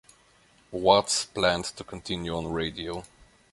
Watts planned to continue on radio.